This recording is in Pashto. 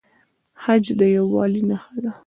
حج د یووالي نښه ده